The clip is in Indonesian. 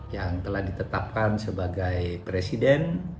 yang telah ditetapkan sebagai presiden